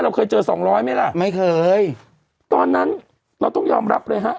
เคยเจอสองร้อยไหมล่ะไม่เคยตอนนั้นเราต้องยอมรับเลยฮะ